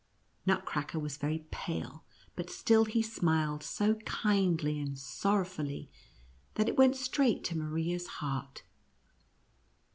Nutcracker was very pale, but still he smiled so kindly and sorrowfully that it went straight to Maria's heart.